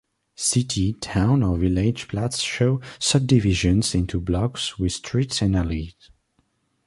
City, town or village plats show subdivisions into blocks with streets and alleys.